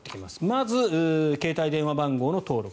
まず、携帯電話番号の登録。